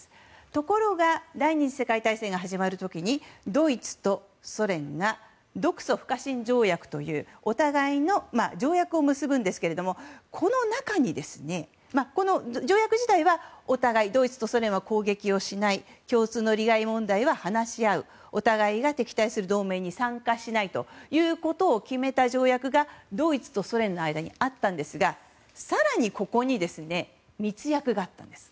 ところが第２次世界大戦が始まる時にドイツとソ連が独ソ不可侵条約という条約を結ぶんですけども条約自体はお互いドイツとソ連は攻撃をしない共通の利害問題は話し合うお互いが敵対する同盟に参加しないということを決めた条約がドイツとソ連の間にあったんですが更に、ここに密約があったんです。